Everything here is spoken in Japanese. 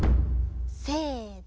せの。